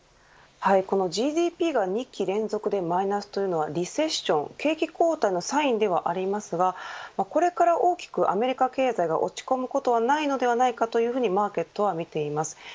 このＧＤＰが２期連続でマイナスというのはリセッション景気後退のサインではありますがこれから大きくアメリカ経済が落ち込むことはないのではないかとマーケットは見ています。